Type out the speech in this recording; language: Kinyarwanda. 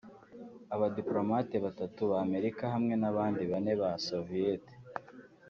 abadipolomate batatu ba Amerika hamwe n’abandi bane b’Aba-soviet